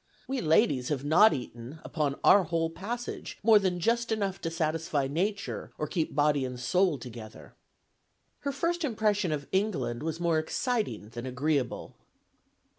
We ladies have not eaten, upon our whole passage, more than just enough to satisfy nature, or to keep body and soul together." Her first impression of England was more exciting than agreeable.